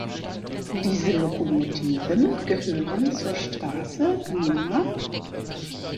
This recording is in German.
Diese Lokomotiven gehören zur Straße Nr.